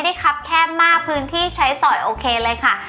คับแคบมากพื้นที่ใช้สอยโอเคเลยค่ะ